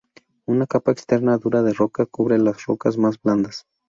Una capa externa dura de roca cubre las rocas más blandas.